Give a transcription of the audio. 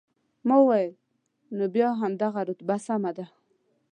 ما وویل، نو بیا همدغه رتبه سمه ده.